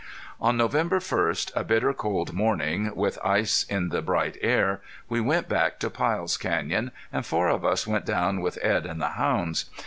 On November first, a bitter cold morning, with ice in the bright air, we went back to Pyle's Canyon, and four of us went down with Edd and the hounds.